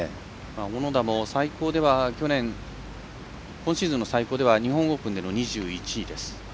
小野田も最高では去年今シーズンの最高では日本オープンでの２１位です。